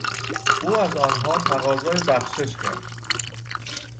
او از آنها تقاضای بخشش کرد.